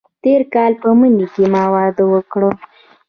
تېر کال په مني کې ما واده وکړ.